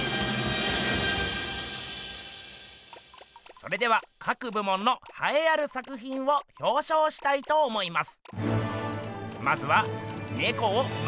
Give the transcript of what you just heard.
それでは各部門のはえある作品をひょうしょうしたいと思います。